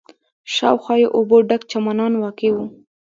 شاوخوا یې اوبو ډک چمنان واقع و.